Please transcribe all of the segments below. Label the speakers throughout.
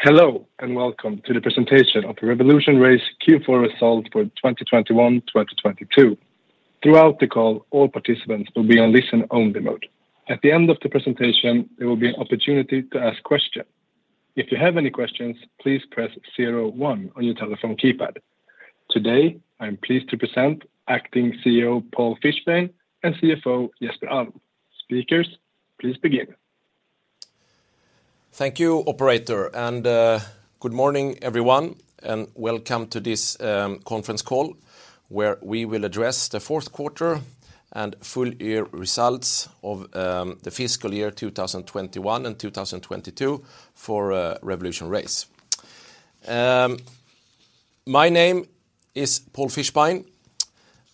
Speaker 1: Hello, and welcome to the presentation of RevolutionRace Q4 result for 2021, 2022. Throughout the call, all participants will be on listen-only mode. At the end of the presentation, there will be an opportunity to ask questions. If you have any questions, please press zero one on your telephone keypad. Today, I'm pleased to present acting CEO Paul Fischbein, and CFO Jesper Alm. Speakers, please begin.
Speaker 2: Thank you, operator. Good morning, everyone, and welcome to this conference call, where we will address the fourth quarter and full year results of the fiscal year 2021 and 2022 for RevolutionRace. My name is Paul Fischbein.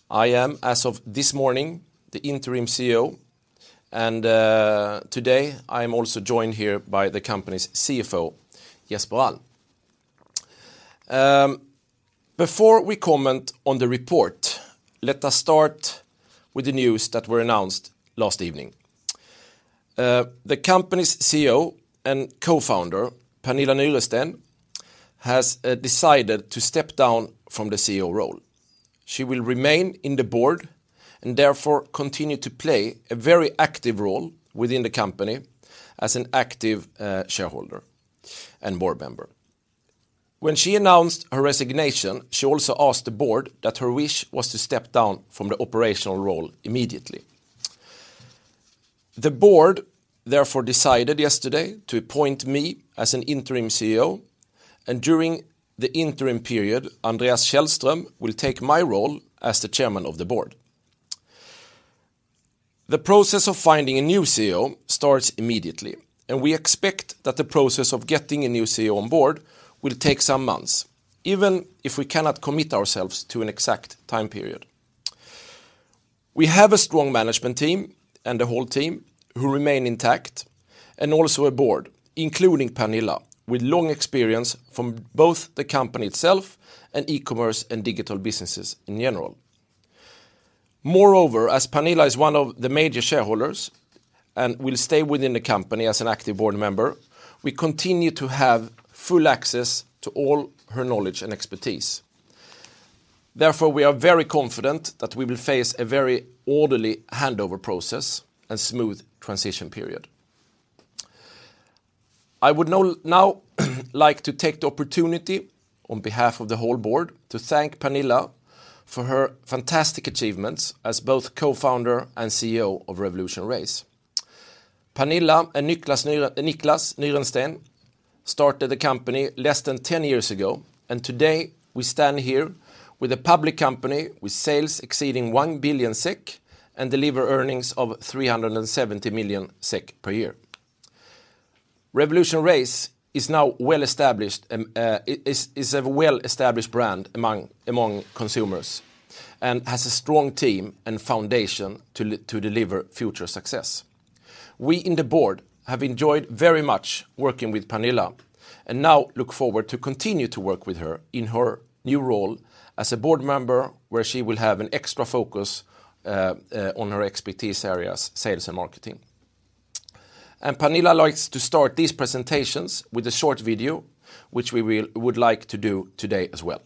Speaker 2: I am, as of this morning, the interim CEO, and today, I'm also joined here by the company's CFO, Jesper Alm. Before we comment on the report, let us start with the news that were announced last evening. The company's CEO and co-founder, Pernilla Nyrensten, has decided to step down from the CEO role. She will remain in the board and therefore continue to play a very active role within the company as an active shareholder and board member. When she announced her resignation, she also asked the board that her wish was to step down from the operational role immediately. The board, therefore, decided yesterday to appoint me as an Interim CEO, and during the interim period, Andreas Källström will take my role as the Chairman of the Board. The process of finding a new CEO starts immediately, and we expect that the process of getting a new CEO on board will take some months, even if we cannot commit ourselves to an exact time period. We have a strong management team and a whole team who remain intact, and also a board, including Pernilla, with long experience from both the company itself and e-commerce and digital businesses in general. Moreover, as Pernilla is one of the major shareholders and will stay within the company as an active board member, we continue to have full access to all her knowledge and expertise. Therefore, we are very confident that we will face a very orderly handover process and smooth transition period. I would now like to take the opportunity on behalf of the whole board to thank Pernilla for her fantastic achievements as both co-founder and CEO of RevolutionRace. Pernilla and Nicklas Nyrensten started the company less than 10 years ago, and today we stand here with a public company with sales exceeding 1 billion SEK and deliver earnings of 370 million SEK per year. RevolutionRace is now well-established, is a well-established brand among consumers and has a strong team and foundation to deliver future success. We in the board have enjoyed very much working with Pernilla and now look forward to continue to work with her in her new role as a board member, where she will have an extra focus on her expertise areas, sales and marketing. Pernilla likes to start these presentations with a short video, which we would like to do today as well.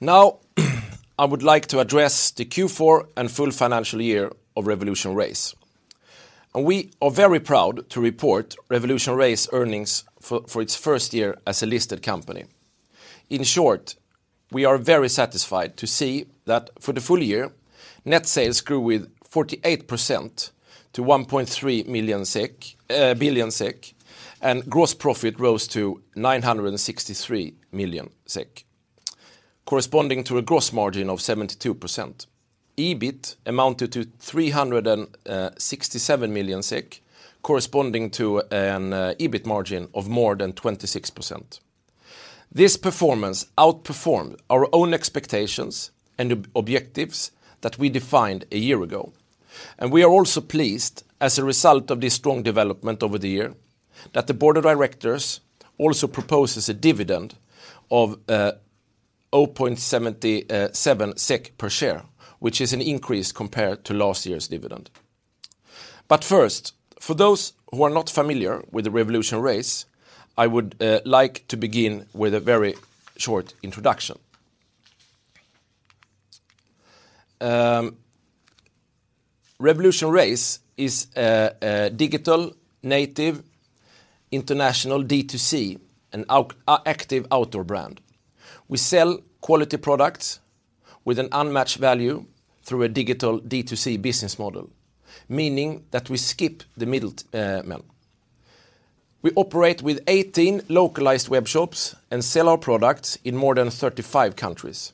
Speaker 2: Now, I would like to address the Q4 and full financial year of RevolutionRace. We are very proud to report RevolutionRace earnings for its first year as a listed company. In short, we are very satisfied to see that for the full year, net sales grew with 48% to 1.3 billion SEK, and gross profit rose to 963 million SEK, corresponding to a gross margin of 72%. EBIT amounted to 367 million SEK, corresponding to an EBIT margin of more than 26%. This performance outperformed our own expectations and objectives that we defined a year ago. We are also pleased, as a result of this strong development over the year. That the board of directors also proposes a dividend of 0.77 SEK per share, which is an increase compared to last year's dividend. First, for those who are not familiar with RevolutionRace, I would like to begin with a very short introduction. RevolutionRace is a digital native international D2C and active outdoor brand. We sell quality products with an unmatched value through a digital D2C business model, meaning that we skip the middle man. We operate with 18 localized web shops and sell our products in more than 35 countries.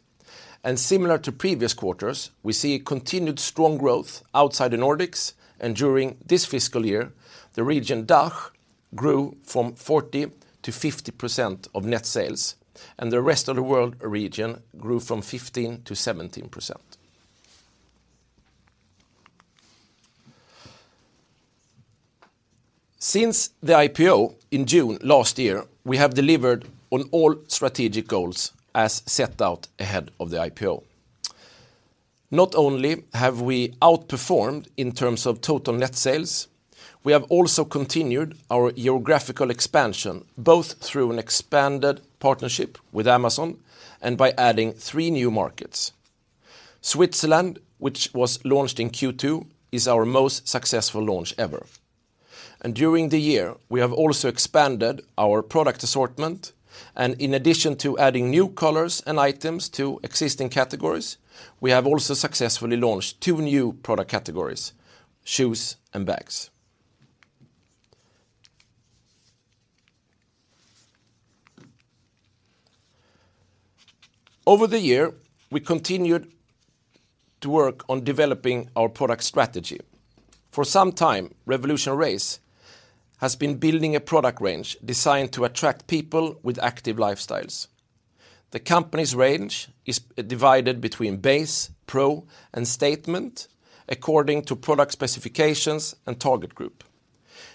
Speaker 2: Similar to previous quarters, we see continued strong growth outside the Nordics, and during this fiscal year, the region DACH grew from 40%-50% of net sales, and the rest of the world region grew from 15%-17%. Since the IPO in June last year, we have delivered on all strategic goals as set out ahead of the IPO. Not only have we outperformed in terms of total net sales, we have also continued our geographical expansion, both through an expanded partnership with Amazon and by adding three new markets. Switzerland, which was launched in Q2, is our most successful launch ever. During the year, we have also expanded our product assortment, and in addition to adding new colors and items to existing categories, we have also successfully launched two new product categories, Shoes and Bags. Over the year, we continued to work on developing our product strategy. For some time, RevolutionRace has been building a product range designed to attract people with active lifestyles. The company's range is divided between Base, Pro, and Statement according to product specifications and target group.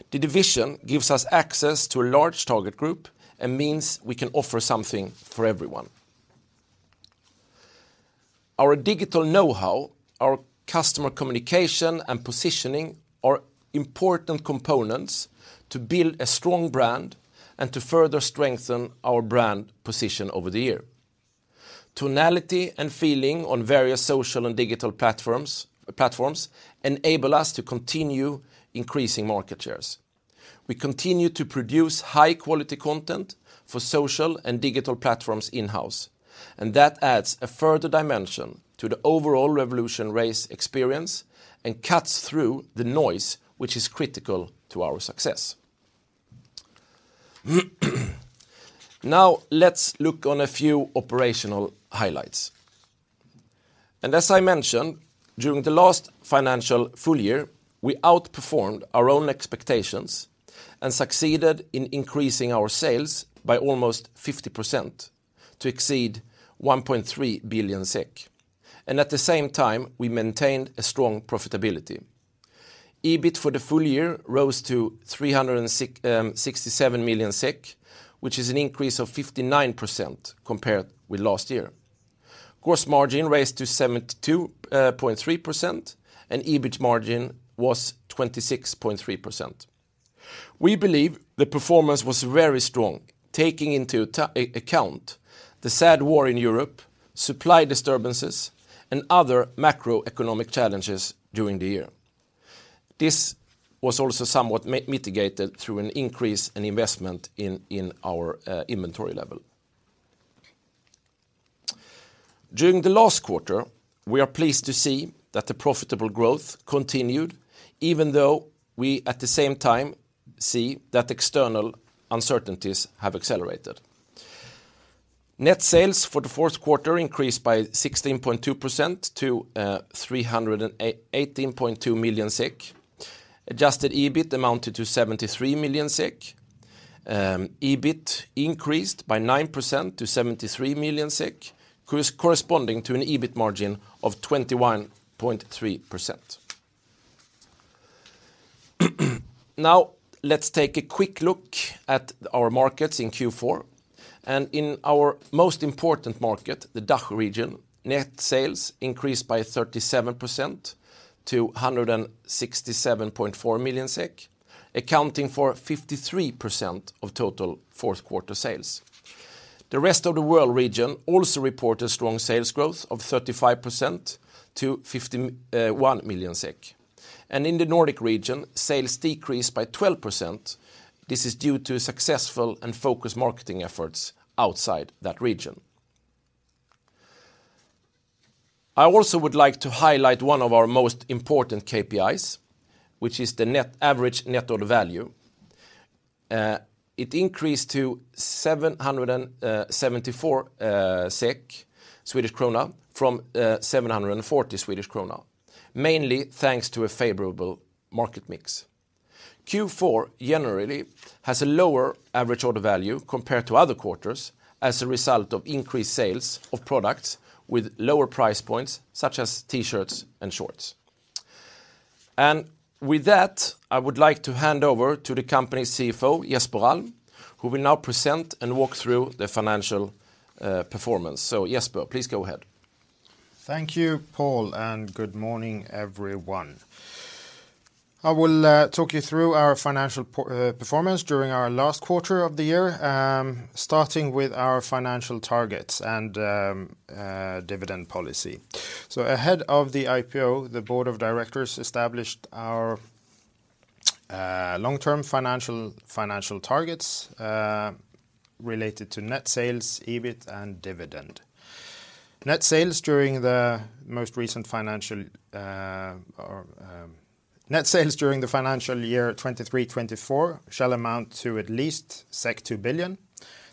Speaker 2: The division gives us access to a large target group and means we can offer something for everyone. Our digital know-how, our customer communication, and positioning are important components to build a strong brand and to further strengthen our brand position over the year. Tonality and feeling on various social and digital platforms enable us to continue increasing market shares. We continue to produce high quality content for social and digital platforms in-house, and that adds a further dimension to the overall RevolutionRace experience and cuts through the noise, which is critical to our success. Now, let's look at a few operational highlights. As I mentioned, during the last financial full year, we outperformed our own expectations and succeeded in increasing our sales by almost 50% to exceed 1.3 billion SEK. At the same time, we maintained a strong profitability. EBIT for the full year rose to 367 million SEK, which is an increase of 59% compared with last year. Gross margin rose to 72.3%, and EBIT margin was 26.3%. We believe the performance was very strong, taking into account the sad war in Europe, supply disturbances, and other macroeconomic challenges during the year. This was also somewhat mitigated through an increase in investment in our inventory level. During the last quarter, we are pleased to see that the profitable growth continued, even though we at the same time see that external uncertainties have accelerated. Net sales for the fourth quarter increased by 16.2% to 318.2 million SEK. Adjusted EBIT amounted to 73 million SEK. EBIT increased by 9% to 73 million SEK, corresponding to an EBIT margin of 21.3%. Now, let's take a quick look at our markets in Q4. In our most important market, the DACH region, net sales increased by 37% to 167.4 million SEK, accounting for 53% of total fourth quarter sales. The rest of the world region also reported strong sales growth of 35% to 51 million SEK. In the Nordic region, sales decreased by 12%. This is due to successful and focused marketing efforts outside that region. I also would like to highlight one of our most important KPIs, which is the average net order value. It increased to 774 SEK, Swedish krona, from seven hundred and forty Swedish krona, mainly thanks to a favorable market mix. Q4 generally has a lower average order value compared to other quarters as a result of increased sales of products with lower price points such as T-shirts and shorts. With that, I would like to hand over to the company's CFO, Jesper Alm, who will now present and walk through the financial performance. Jesper, please go ahead.
Speaker 3: Thank you, Paul, and good morning, everyone. I will talk you through our financial performance during our last quarter of the year, starting with our financial targets and dividend policy. Ahead of the IPO, the board of directors established our long-term financial targets related to net sales, EBIT, and dividend. Net sales during the financial year 2023-2024 shall amount to at least 2 billion.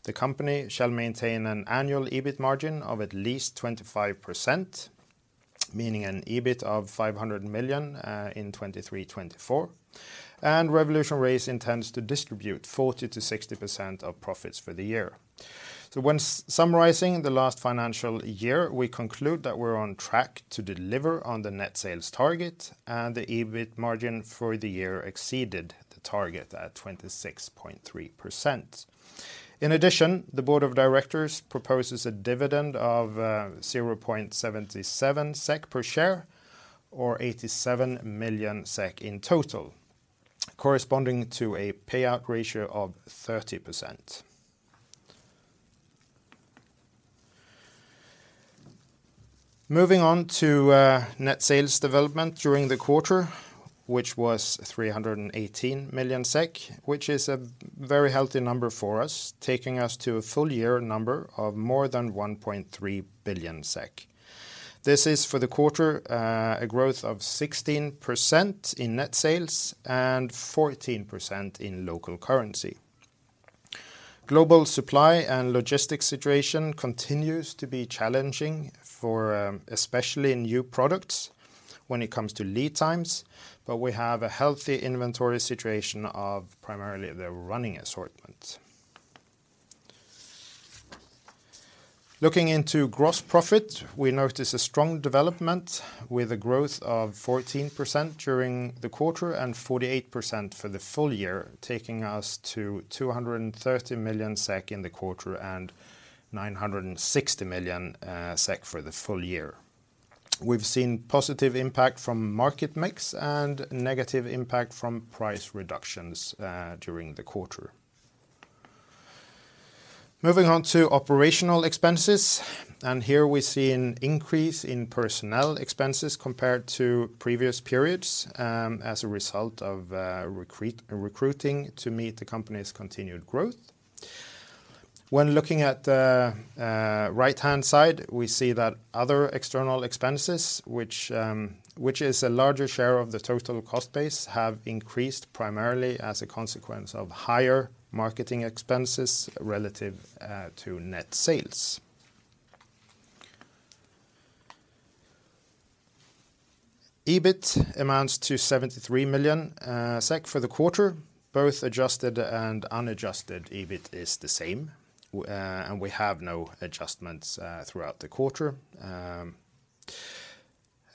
Speaker 3: The company shall maintain an annual EBIT margin of at least 25%, meaning an EBIT of 500 million in 2023-2024. RevolutionRace intends to distribute 40%-60% of profits for the year. When summarizing the last financial year, we conclude that we're on track to deliver on the net sales target and the EBIT margin for the year exceeded the target at 26.3%. In addition, the board of directors proposes a dividend of 0.77 SEK per share or 87 million SEK in total, corresponding to a payout ratio of 30%. Moving on to net sales development during the quarter, which was 318 million SEK, which is a very healthy number for us, taking us to a full year number of more than 1.3 billion SEK. This is for the quarter, a growth of 16% in net sales and 14% in local currency. Global supply and logistics situation continues to be challenging for especially new products when it comes to lead times, but we have a healthy inventory situation of primarily the running assortment. Looking into gross profit, we notice a strong development with a growth of 14% during the quarter and 48% for the full year, taking us to 230 million SEK in the quarter and 960 million SEK for the full year. We've seen positive impact from market mix and negative impact from price reductions during the quarter. Moving on to operating expenses, and here we see an increase in personnel expenses compared to previous periods as a result of recruiting to meet the company's continued growth. When looking at the right-hand side, we see that other external expenses, which is a larger share of the total cost base, have increased primarily as a consequence of higher marketing expenses relative to net sales. EBIT amounts to 73 million SEK for the quarter. Both adjusted and unadjusted EBIT is the same, and we have no adjustments throughout the quarter.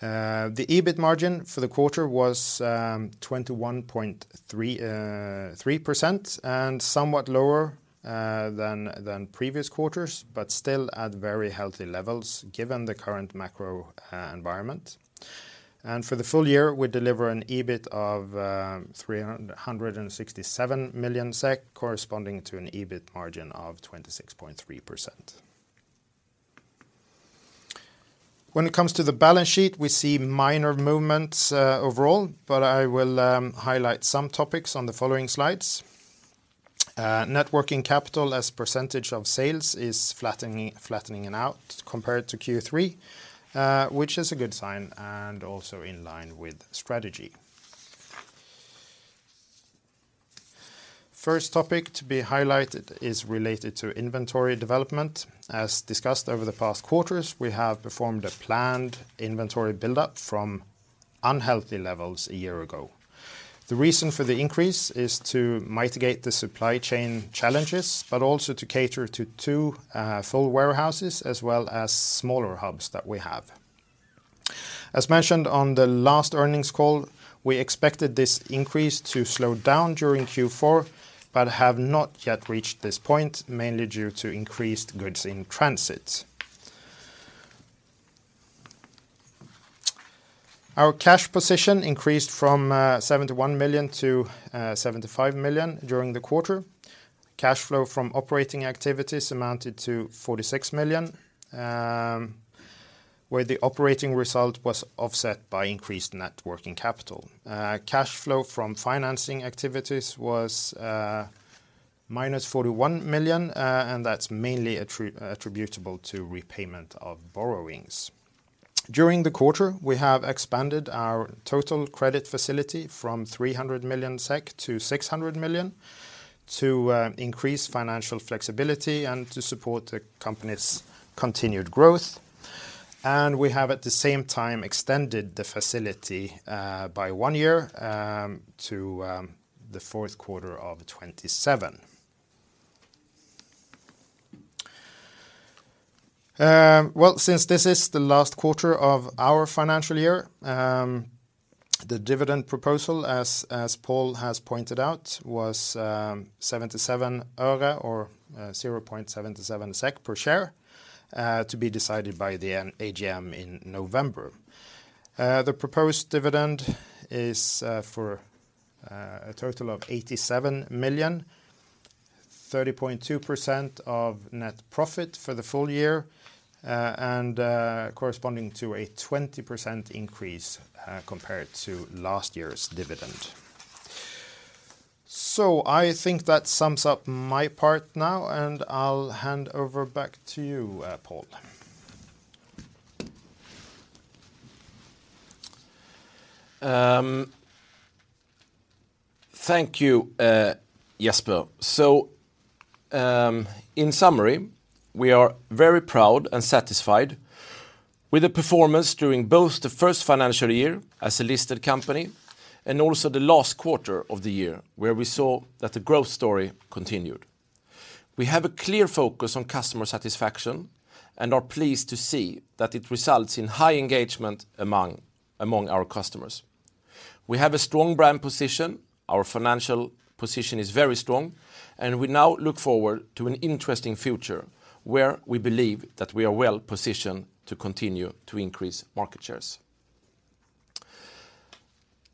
Speaker 3: The EBIT margin for the quarter was 21.33% and somewhat lower than previous quarters, but still at very healthy levels given the current macro environment. For the full year, we deliver an EBIT of 367 million SEK, corresponding to an EBIT margin of 26.3%. When it comes to the balance sheet, we see minor movements overall, but I will highlight some topics on the following slides. Net working capital as percentage of sales is flattening out compared to Q3, which is a good sign and also in line with strategy. First topic to be highlighted is related to inventory development. As discussed over the past quarters, we have performed a planned inventory buildup from unhealthy levels a year ago. The reason for the increase is to mitigate the supply chain challenges, but also to cater to two full warehouses as well as smaller hubs that we have. As mentioned on the last earnings call, we expected this increase to slow down during Q4, but have not yet reached this point, mainly due to increased goods in transit. Our cash position increased from 71 million to 75 million during the quarter. Cash flow from operating activities amounted to 46 million, where the operating result was offset by increased net working capital. Cash flow from financing activities was -41 million, and that's mainly attributable to repayment of borrowings. During the quarter, we have expanded our total credit facility from 300 million SEK to 600 million to increase financial flexibility and to support the company's continued growth. We have, at the same time, extended the facility by one year to the fourth quarter of 2027. Well, since this is the last quarter of our financial year, the dividend proposal as Paul has pointed out was 77 öre or 0.77 SEK per share, to be decided by the AGM in November. The proposed dividend is for a total of 87 million, 30.2% of net profit for the full year. And corresponding to a 20% increase compared to last year's dividend. I think that sums up my part now, and I'll hand over back to you, Paul.
Speaker 2: Thank you, Jesper. In summary, we are very proud and satisfied with the performance during both the first financial year as a listed company and also the last quarter of the year where we saw that the growth story continued. We have a clear focus on customer satisfaction and are pleased to see that it results in high engagement among our customers. We have a strong brand position. Our financial position is very strong, and we now look forward to an interesting future where we believe that we are well-positioned to continue to increase market shares.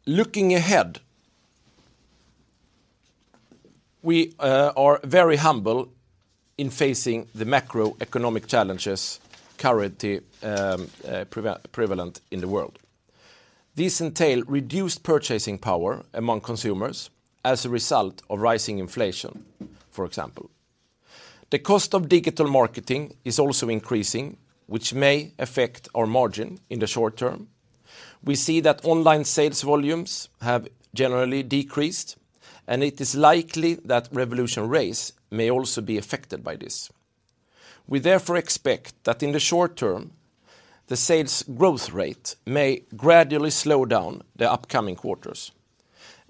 Speaker 2: Looking ahead, we are very humble in facing the macroeconomic challenges currently prevalent in the world. These entail reduced purchasing power among consumers as a result of rising inflation, for example. The cost of digital marketing is also increasing, which may affect our margin in the short term. We see that online sales volumes have generally decreased, and it is likely that RevolutionRace may also be affected by this. We therefore expect that in the short term, the sales growth rate may gradually slow down the upcoming quarters.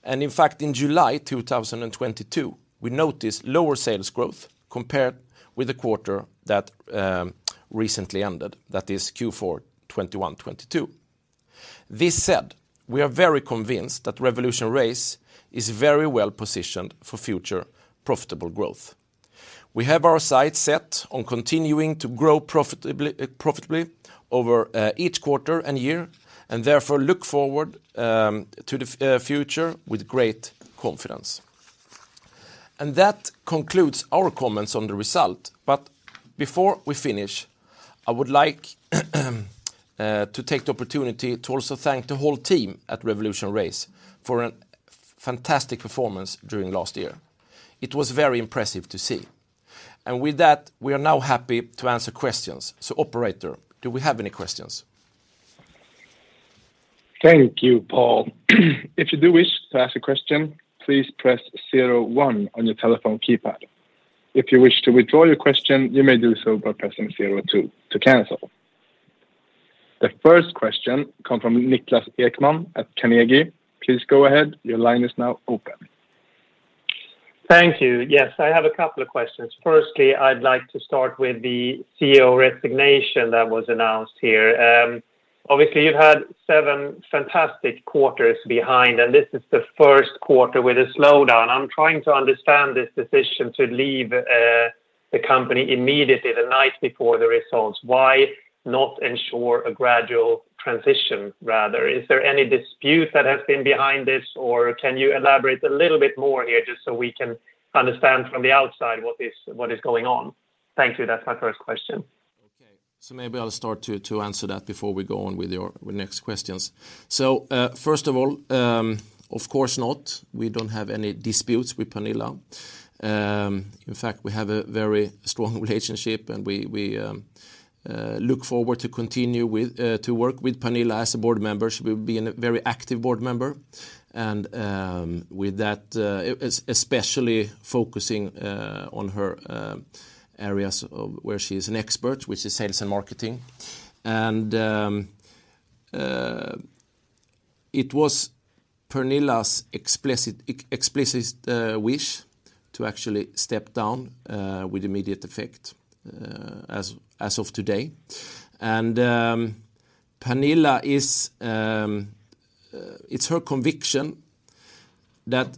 Speaker 2: In fact, in July 2022, we noticed lower sales growth compared with the quarter that recently ended, that is Q4 2021, 2022. This said, we are very convinced that RevolutionRace is very well-positioned for future profitable growth. We have our sights set on continuing to grow profitably over each quarter and year, and therefore look forward to the future with great confidence. That concludes our comments on the result. Before we finish, I would like to take the opportunity to also thank the whole team at RevolutionRace for a fantastic performance during last year. It was very impressive to see. With that, we are now happy to answer questions. Operator, do we have any questions?
Speaker 1: Thank you, Paul. If you do wish to ask a question, please press zero one on your telephone keypad. If you wish to withdraw your question, you may do so by pressing zero two to cancel. The first question come from Niklas Ekman at Carnegie. Please go ahead. Your line is now open.
Speaker 4: Thank you. Yes, I have a couple of questions. Firstly, I'd like to start with the CEO resignation that was announced here. Obviously, you've had 7 fantastic quarters behind, and this is the first quarter with a slowdown. I'm trying to understand this decision to leave the company immediately the night before the results. Why not ensure a gradual transition, rather? Is there any dispute that has been behind this, or can you elaborate a little bit more here just so we can understand from the outside what is going on? Thank you. That's my first question.
Speaker 2: Maybe I'll start to answer that before we go on with your next questions. First of all, of course not, we don't have any disputes with Pernilla. In fact, we have a very strong relationship, and we look forward to continue to work with Pernilla as a board member. She will be a very active board member. With that, especially focusing on her areas of where she is an expert, which is sales and marketing. It was Pernilla's explicit wish to actually step down with immediate effect as of today. Pernilla, it's her conviction that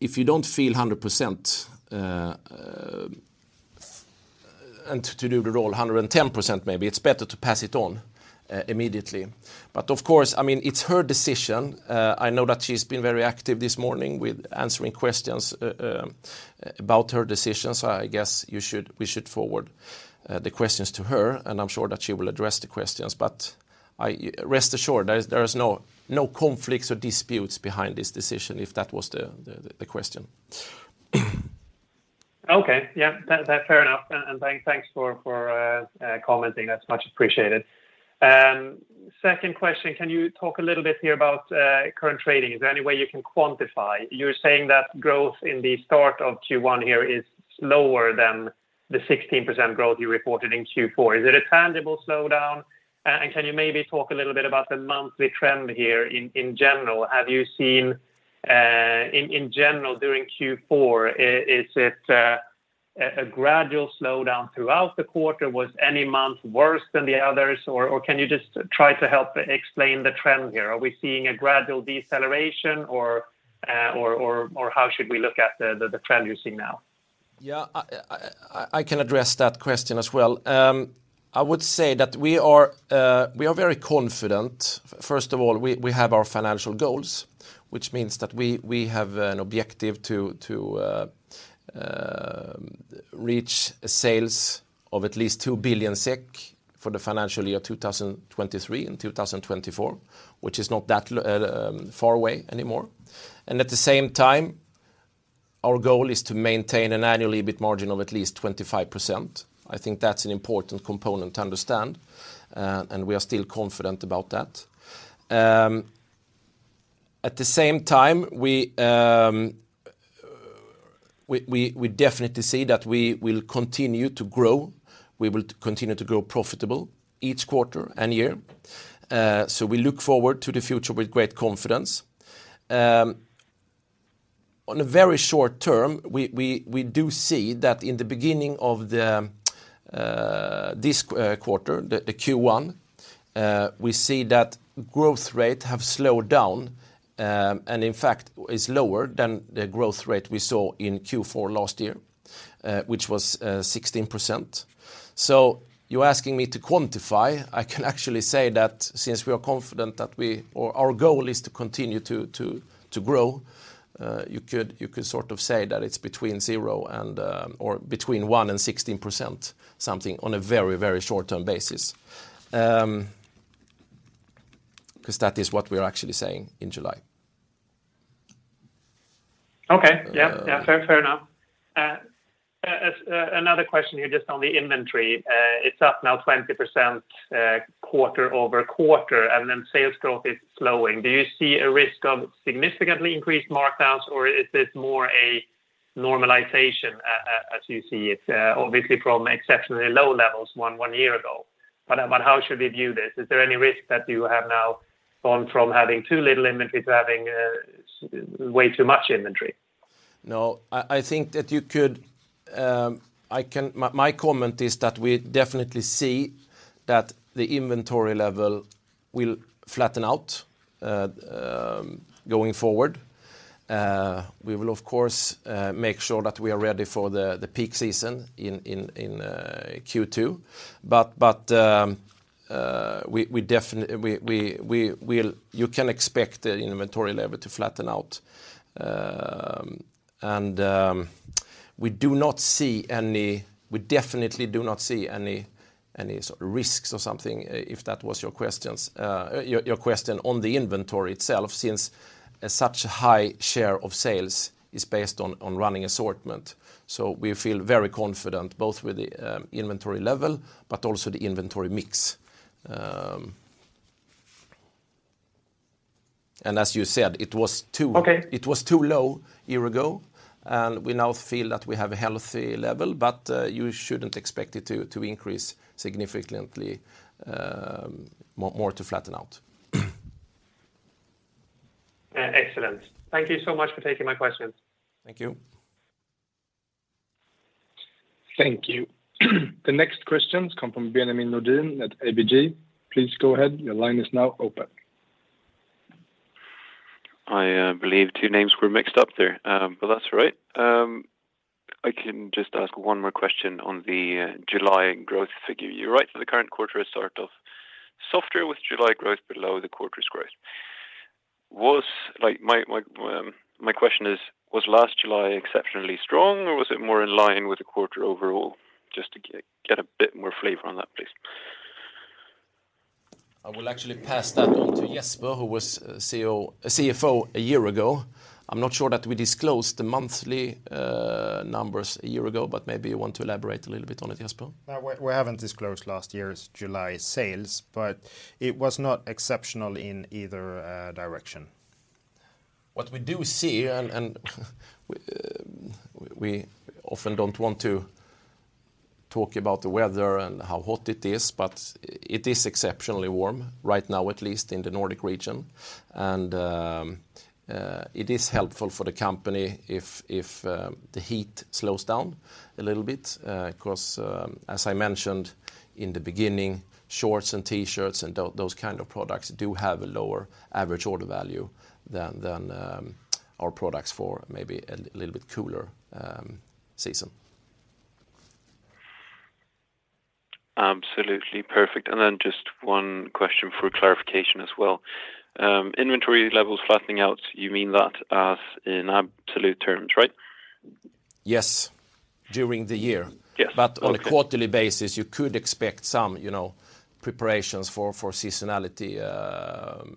Speaker 2: if you don't feel 100%, and to do the role 110%, maybe it's better to pass it on immediately. Of course, I mean, it's her decision. I know that she's been very active this morning with answering questions about her decision. I guess we should forward the questions to her, and I'm sure that she will address the questions. Rest assured there is no conflicts or disputes behind this decision, if that was the question.
Speaker 4: Okay. Yeah. That's fair enough. Thanks for commenting. That's much appreciated. Second question, can you talk a little bit here about current trading? Is there any way you can quantify? You're saying that growth in the start of Q1 here is slower than the 16% growth you reported in Q4. Is it a tangible slowdown? Can you maybe talk a little bit about the monthly trend here in general? Have you seen, in general during Q4, is it a gradual slowdown throughout the quarter? Was any month worse than the others, or can you just try to help explain the trend here? Are we seeing a gradual deceleration or how should we look at the trend you're seeing now?
Speaker 2: I can address that question as well. I would say that we are very confident. First of all, we have our financial goals, which means that we have an objective to reach sales of at least 2 billion SEK for the financial year 2023 and 2024, which is not that far away anymore. At the same time, our goal is to maintain an annual EBIT margin of at least 25%. I think that's an important component to understand, and we are still confident about that. At the same time, we definitely see that we will continue to grow. We will continue to grow profitable each quarter and year. We look forward to the future with great confidence. On a very short term, we do see that in the beginning of this quarter, the Q1, we see that growth rate have slowed down, and in fact, is lower than the growth rate we saw in Q4 last year, which was 16%. You're asking me to quantify. I can actually say that since we are confident that or our goal is to continue to grow, you could sort of say that it's between 1% and 16%, something on a very, very short-term basis. Because that is what we are actually saying in July.
Speaker 4: Okay.
Speaker 2: Uh.
Speaker 4: Yeah, yeah. Fair enough. Another question here just on the inventory. It's up now 20%, quarter-over-quarter, and then sales growth is slowing. Do you see a risk of significantly increased markdowns, or is this more a normalization as you see it, obviously from exceptionally low levels one year ago? How should we view this? Is there any risk that you have now gone from having too little inventory to having way too much inventory?
Speaker 2: No, my comment is that we definitely see that the inventory level will flatten out going forward. We will, of course, make sure that we are ready for the peak season in Q2. You can expect the inventory level to flatten out. We definitely do not see any sort of risks or something, if that was your question. Your question on the inventory itself, since such high share of sales is based on running assortment. We feel very confident both with the inventory level but also the inventory mix. As you said, it was too.
Speaker 4: Okay
Speaker 2: It was too low a year ago, and we now feel that we have a healthy level, but you shouldn't expect it to increase significantly, more to flatten out.
Speaker 4: Excellent. Thank you so much for taking my questions.
Speaker 2: Thank you. Thank you. The next question comes from Benjamin Nordin at ABG. Please go ahead. Your line is now open.
Speaker 5: I believe two names were mixed up there, but that's all right. I can just ask one more question on the July growth figure. You're right that the current quarter has started off softer with July growth below the quarter's growth. Like, my question is, was last July exceptionally strong, or was it more in line with the quarter overall? Just to get a bit more flavor on that, please.
Speaker 2: I will actually pass that on to Jesper, who was CFO a year ago. I'm not sure that we disclosed the monthly numbers a year ago, but maybe you want to elaborate a little bit on it, Jesper.
Speaker 3: No, we haven't disclosed last year's July sales, but it was not exceptional in either direction.
Speaker 2: What we do see, we often don't want to talk about the weather and how hot it is, but it is exceptionally warm right now, at least in the Nordic region. It is helpful for the company if the heat slows down a little bit, 'cause as I mentioned in the beginning, shorts and T-shirts and those kind of products do have a lower average order value than our products for maybe a little bit cooler season.
Speaker 5: Absolutely. Perfect. Just one question for clarification as well. Inventory levels flattening out, you mean that as in absolute terms, right?
Speaker 2: Yes. During the year.
Speaker 5: Yeah. Okay.
Speaker 2: On a quarterly basis, you could expect some, you know, preparations for seasonality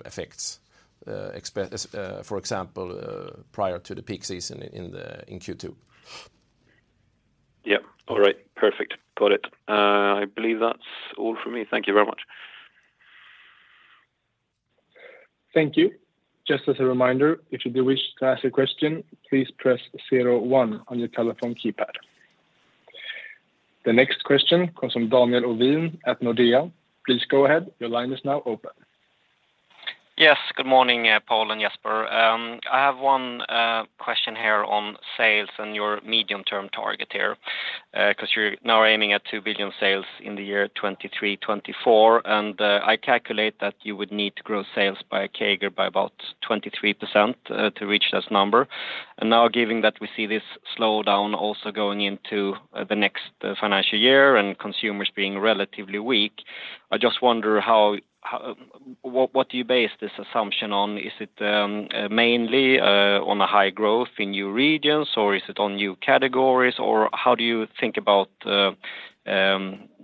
Speaker 2: effects, for example, prior to the peak season in Q2.
Speaker 5: Yeah. All right. Perfect. Got it. I believe that's all for me. Thank you very much.
Speaker 1: Thank you. Just as a reminder, if you do wish to ask a question, please press zero one on your telephone keypad. The next question comes from Daniel Ovin at Nordea. Please go ahead. Your line is now open.
Speaker 6: Yes. Good morning, Paul and Jesper. I have one question here on sales and your medium-term target here, 'cause you're now aiming at 2 billion sales in the year 2023-2024, and I calculate that you would need to grow sales by a CAGR of about 23% to reach this number. Given that we see this slowdown also going into the next financial year and consumers being relatively weak, I just wonder how what do you base this assumption on. Is it mainly on the high growth in new regions, or is it on new categories, or how do you think about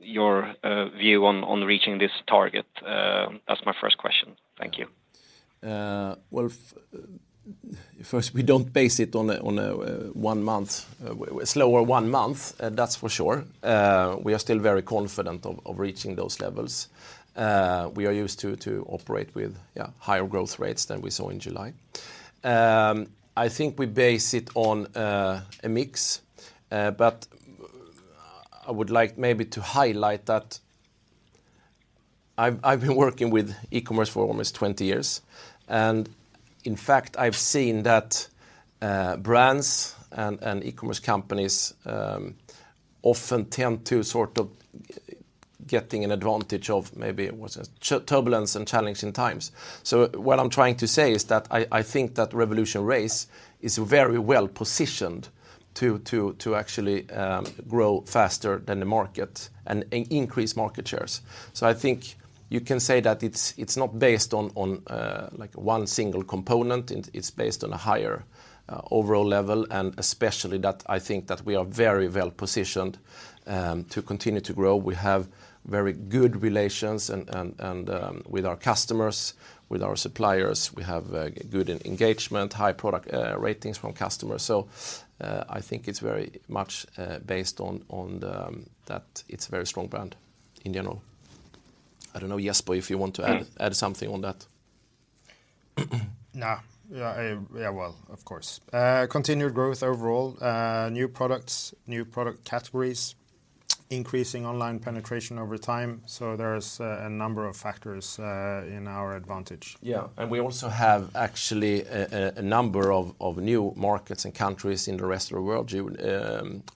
Speaker 6: your view on reaching this target. That's my first question. Thank you.
Speaker 2: Well, first, we don't base it on a one month, slower one month, that's for sure. We are still very confident of reaching those levels. We are used to operate with higher growth rates than we saw in July. I think we base it on a mix, but I would like maybe to highlight that I've been working with e-commerce for almost 20 years, and in fact, I've seen that brands and e-commerce companies often tend to sort of getting an advantage of maybe turbulence and challenging times. What I'm trying to say is that I think that RevolutionRace is very well-positioned to actually grow faster than the market and increase market shares. I think you can say that it's not based on like one single component. It's based on a higher overall level, and especially that I think that we are very well-positioned to continue to grow. We have very good relations with our customers, with our suppliers. We have good engagement, high product ratings from customers. I think it's very much based on the fact that it's a very strong brand in general. I don't know, Jesper, if you want to add something on that.
Speaker 3: No. Yeah, yeah, well, of course. Continued growth overall, new products, new product categories, increasing online penetration over time. There's a number of factors in our advantage.
Speaker 2: Yeah. We also have actually a number of new markets and countries in the rest of the world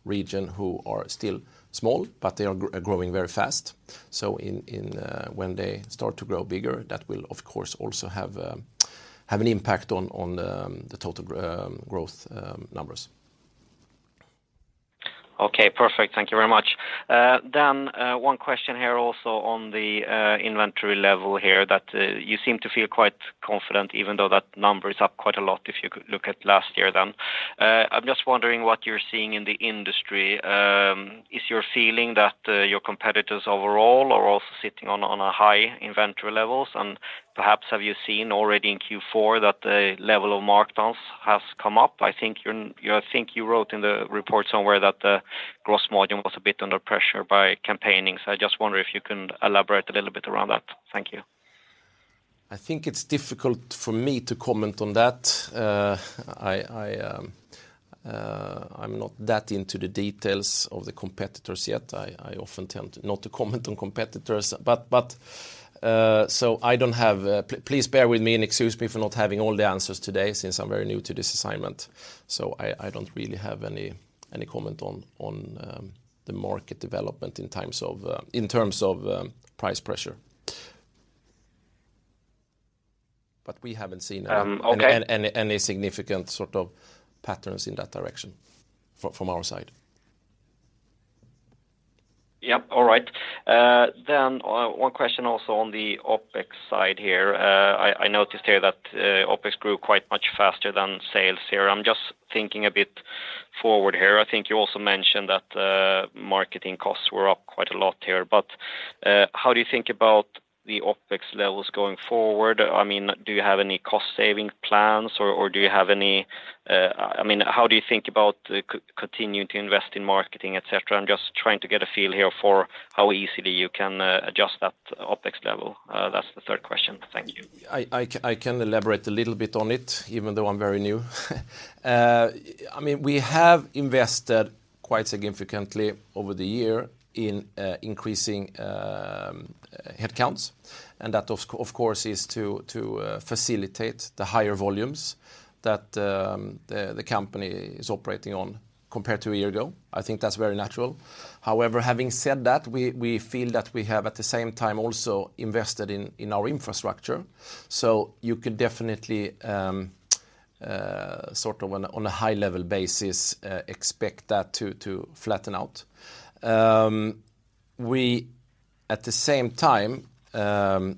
Speaker 2: region who are still small, but they are growing very fast. When they start to grow bigger, that will of course also have an impact on the total growth numbers.
Speaker 6: Okay, perfect. Thank you very much. One question here also on the inventory level here that you seem to feel quite confident even though that number is up quite a lot if you could look at last year then. I'm just wondering what you're seeing in the industry. Is your feeling that your competitors overall are also sitting on a high inventory levels? Perhaps have you seen already in Q4 that the level of markdowns has come up? I think you wrote in the report somewhere that the gross margin was a bit under pressure by campaigning. I just wonder if you can elaborate a little bit around that. Thank you.
Speaker 2: I think it's difficult for me to comment on that. I'm not that into the details of the competitors yet. I often tend not to comment on competitors. I don't have, please bear with me and excuse me for not having all the answers today since I'm very new to this assignment. I don't really have any comment on the market development in terms of price pressure. We haven't seen.
Speaker 6: Okay.
Speaker 2: Any significant sort of patterns in that direction from our side.
Speaker 6: Yep. All right. One question also on the OpEx side here. I noticed here that OpEx grew quite much faster than sales here. I'm just thinking a bit forward here. I think you also mentioned that marketing costs were up quite a lot here. How do you think about the OpEx levels going forward? I mean, do you have any cost saving plans or do you have any? I mean, how do you think about continuing to invest in marketing, et cetera? I'm just trying to get a feel here for how easily you can adjust that OpEx level. That's the third question. Thank you.
Speaker 2: I can elaborate a little bit on it, even though I'm very new. I mean, we have invested quite significantly over the year in increasing headcounts. That of course is to facilitate the higher volumes that the company is operating on compared to a year ago. I think that's very natural. However, having said that, we feel that we have, at the same time, also invested in our infrastructure. You could definitely sort of on a high level basis expect that to flatten out. At the same time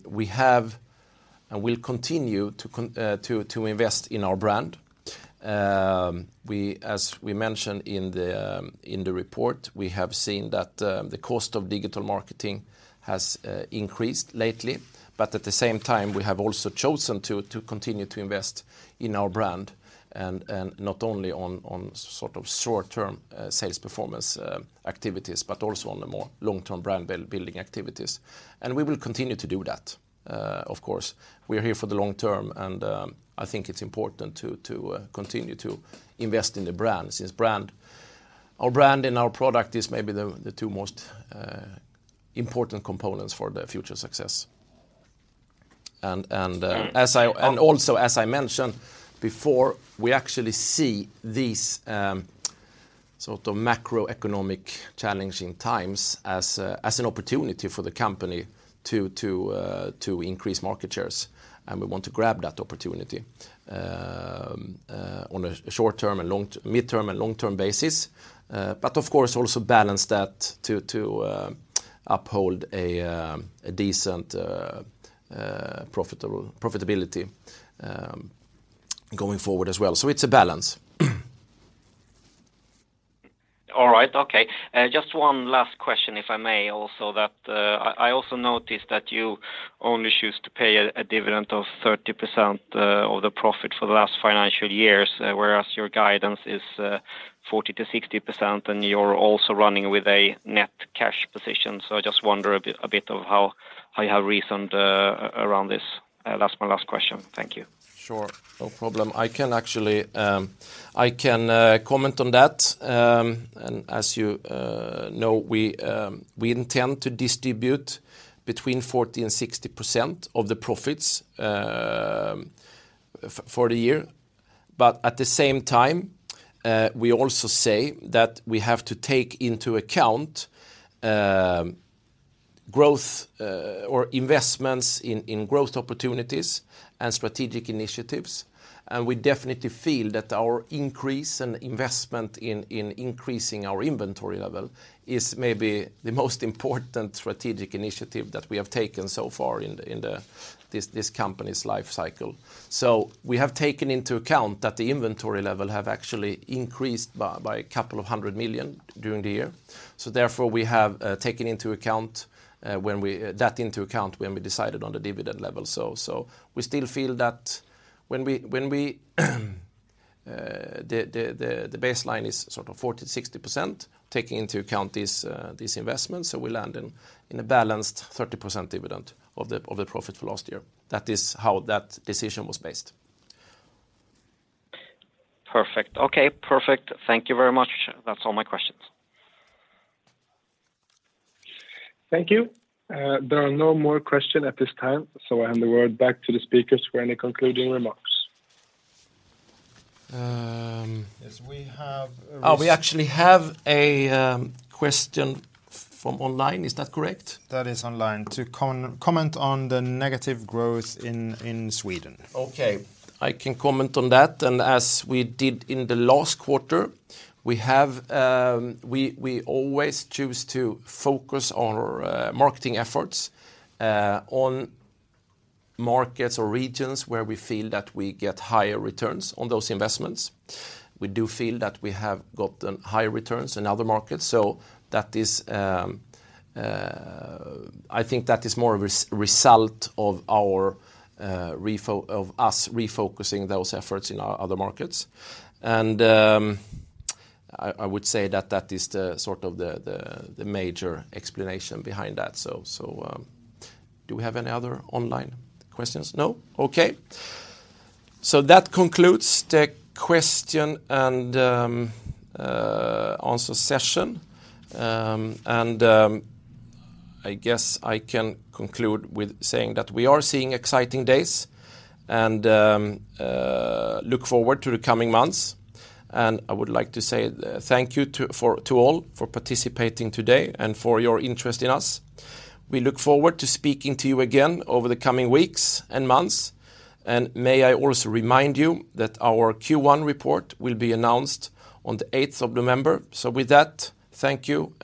Speaker 2: we have and will continue to invest in our brand. We, as we mentioned in the report, we have seen that the cost of digital marketing has increased lately. At the same time, we have also chosen to continue to invest in our brand and not only on sort of short-term sales performance activities, but also on the more long-term brand building activities. We will continue to do that, of course. We are here for the long term and I think it's important to continue to invest in the brand, since our brand and our product is maybe the two most important components for the future success. As I-
Speaker 6: Mm-hmm
Speaker 2: also as I mentioned before, we actually see these sort of macroeconomic challenging times as an opportunity for the company to increase market shares, and we want to grab that opportunity on a short-term and midterm and long-term basis. Of course, also balance that to uphold a decent profitability going forward as well. It's a balance.
Speaker 6: All right. Okay. Just one last question, if I may also that, I also noticed that you only choose to pay a dividend of 30% of the profit for the last financial years, whereas your guidance is 40%-60%, and you're also running with a net cash position. I just wonder a bit of how you have reasoned around this. That's my last question. Thank you.
Speaker 2: Sure. No problem. I can actually comment on that. As you know, we intend to distribute between 40% and 60% of the profits for the year. At the same time, we also say that we have to take into account growth or investments in growth opportunities and strategic initiatives. We definitely feel that our increase in investment in increasing our inventory level is maybe the most important strategic initiative that we have taken so far in this company's life cycle. We have taken into account that the inventory level have actually increased by a couple of hundred million SEK during the year. Therefore, we have taken that into account when we decided on the dividend level. We still feel that the baseline is sort of 40%-60%, taking into account these investments. We land in a balanced 30% dividend of the profit for last year. That is how that decision was based.
Speaker 6: Perfect. Okay. Perfect. Thank you very much. That's all my questions.
Speaker 1: Thank you. There are no more questions at this time, so I hand the word back to the speakers for any concluding remarks.
Speaker 2: Um-
Speaker 3: Yes, we have.
Speaker 2: Oh, we actually have a question from online. Is that correct?
Speaker 3: That is online. To comment on the negative growth in Sweden.
Speaker 2: Okay. I can comment on that. As we did in the last quarter, we always choose to focus on marketing efforts on markets or regions where we feel that we get higher returns on those investments. We do feel that we have gotten higher returns in other markets. That is, I think that is more of result of our refocusing those efforts in our other markets. I would say that is sort of the major explanation behind that. Do we have any other online questions? No. Okay. That concludes the question and answer session. I guess I can conclude with saying that we are seeing exciting days and look forward to the coming months. I would like to say thank you to all for participating today and for your interest in us. We look forward to speaking to you again over the coming weeks and months. May I also remind you that our Q1 report will be announced on the eighth of November. With that, thank you.